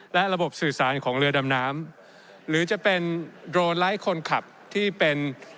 และระบบสื่อสารของเรือดำน้ำหรือจะเป็นโดรนไลท์คนขับที่เป็น